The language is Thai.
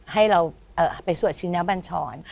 ให้เราไปสวดชิ้นน้ำบันชร